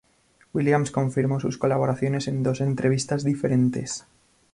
Williams confirmó sus colaboraciones en dos entrevistas diferentes.